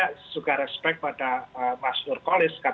dan kita saya suka respect pada mas nur kholis kan ya